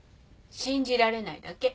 信じられないだけ。